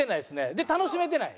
で楽しめてない。